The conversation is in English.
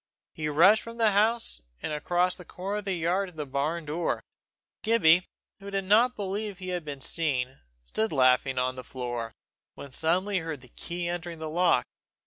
He rushed from the house, and across the corner of the yard to the barn door. Gibbie, who did not believe he had been seen, stood laughing on the floor, when suddenly he heard the key entering the lock.